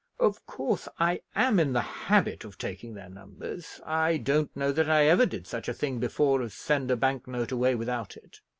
"Of course I am in the habit of taking their numbers; I don't know that I ever did such a thing before, as send a bank note away without it.